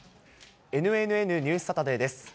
ＮＮＮニュースサタデーです。